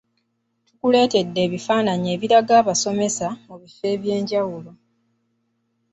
Tukuleetedde ebifaananyi ebiraga abasomesa mu bifo ebyenjawulo.